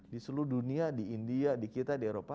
di seluruh dunia di india di kita di eropa